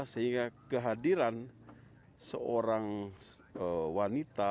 sehingga kehadiran seorang wanita